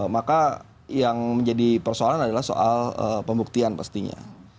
maka yang menjadi persoalan adalah soal pembuktian pastinya